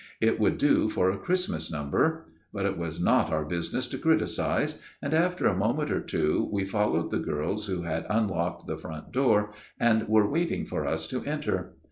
It would do for a Christmas number. \" But it was not our business to criticize ; and after a moment or two, we followed the girls who had unlocked the front door and were waiting for us to enter.